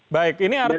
baik ini artinya